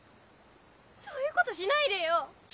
そういうことしないでよ。